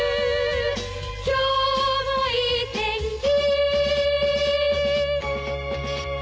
「今日もいい天気」